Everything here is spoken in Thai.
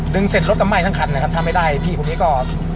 เสร็จรถก็ไหม้ทั้งคันนะครับถ้าไม่ได้พี่คนนี้ก็